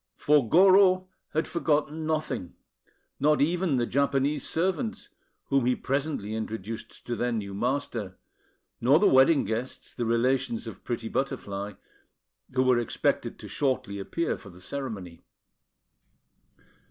For Goro had forgotten nothing, not even the Japanese servants, whom he presently introduced to their new master; nor the wedding guests, the relations of pretty Butterfly, who were expected to shortly appear for the ceremony.